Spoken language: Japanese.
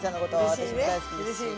私も大好きですし。